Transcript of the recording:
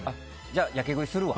じゃあ、やけ食いするわ。